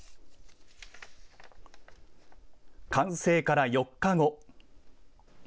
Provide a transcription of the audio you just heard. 完成から４日後。